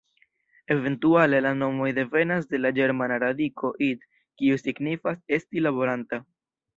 Eventuale la nomoj devenas de la ĝermana radiko "id-", kiu signifas "esti laboranta".